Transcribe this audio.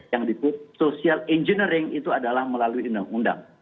yang disebut social engineering itu adalah melalui undang undang